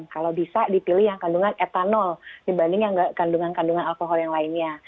kalau bisa dipilih yang kandungan etanol dibanding yang kandungan kandungan alkohol yang lainnya